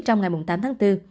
trong ngày tám tháng bốn